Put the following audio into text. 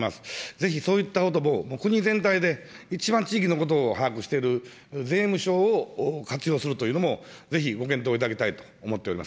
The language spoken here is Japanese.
ぜひそういったことも国全体で、一番地域のことを把握している税務署を活用するというのもぜひご検討いただきたいと思っております。